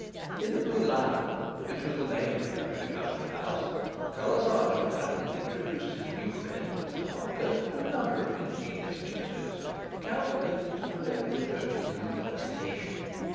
In the Blue Lion, which was the name of the country public house, Colour Sergeant Brand introduced his new friend, Mr Harker, to a number of ingenious mixtures, calculated to prevent the approaches of intoxication.